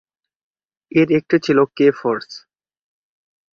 এর একটি ছিল ‘কে’ ফোর্স।